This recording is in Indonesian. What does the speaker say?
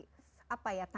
menenangkan diri kita